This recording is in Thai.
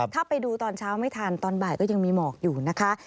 ถ้าไปดูตอนเช้าไม่ทันตอนบ่ายก็ยังมีหมอกอยู่นะคะ